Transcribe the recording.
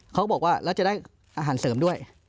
เขาบอกว่าแล้วจะได้อาหารเสริมด้วย